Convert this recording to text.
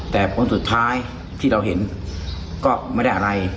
แต่ผลสุดท้ายที่เราเห็นก็ไม่ได้อะไร